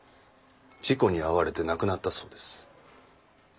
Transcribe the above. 事故に遭われて亡くなったそうです。